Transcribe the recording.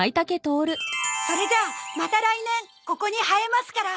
それじゃあまた来年ここに生えますから。